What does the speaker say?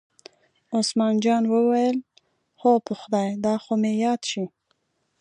عثمان جان وویل: هو په خدای دا خو مې یاد شي.